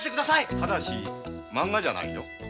ただしまんがじゃないよ。